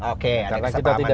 oke ada kesepahaman itu ya